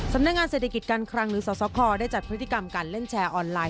สำนักงานเศรษฐกิจการคลังหรือสสคได้จัดพฤติกรรมการเล่นแชร์ออนไลน